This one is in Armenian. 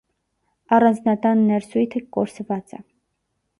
Առանձնատան ներսույթը կորսված է։